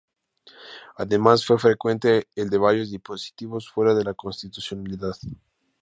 Además, fue frecuente el de varios dispositivos fuera de la constitucionalidad.